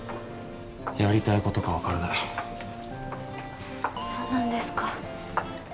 やりたいことか分からないそうなんですか